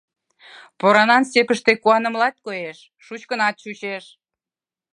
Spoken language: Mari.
Поранан степьыште куанымылат коеш, шучкынат чучеш!